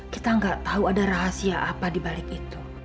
kita nggak tahu ada rahasia apa dibalik itu